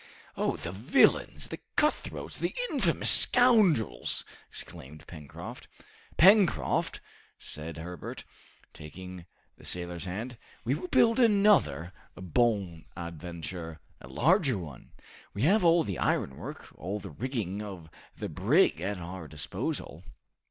"Oh, the villains, the cutthroats, the infamous scoundrels!" exclaimed Pencroft. "Pencroft," said Herbert, taking the sailor's hand, "we will build another 'Bonadventure' a larger one. We have all the ironwork all the rigging of the brig at our disposal."